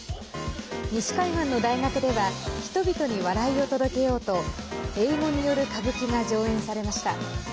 西海岸の大学では人々に笑いを届けようと英語による歌舞伎が上演されました。